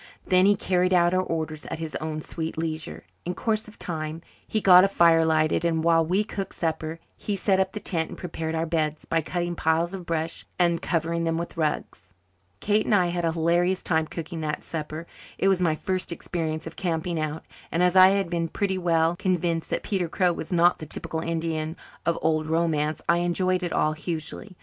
Then he carried out our orders at his own sweet leisure. In course of time he got a fire lighted, and while we cooked supper he set up the tent and prepared our beds, by cutting piles of brush and covering them with rugs. Kate and I had a hilarious time cooking that supper. It was my first experience of camping out and, as I had become pretty well convinced that Peter Crow was not the typical Indian of old romance, I enjoyed it all hugely.